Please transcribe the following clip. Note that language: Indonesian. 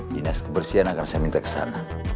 dinas kebersihan agar saya minta ke sana